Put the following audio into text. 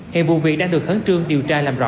hẹn vụ việc đang được khẳng trương điều tra làm rõ